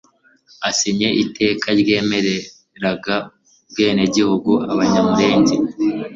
asinye iteka ryemereraga ubwenegihugu Abanyamulenge,